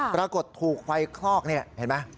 ปรากฏถูกไฟคลอกนี่เห็นไหม